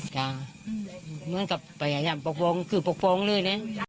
เหมือนกับพยายามปกป้องคือปกป้องเลยนะ